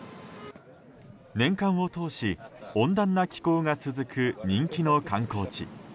年間を通し、温暖な気候が続く人気の観光地。